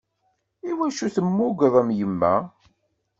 Iwacu temmugeḍ am yemma?